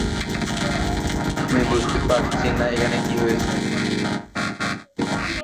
আমি বুঝতে পারছি না এখানে কি হচ্ছে।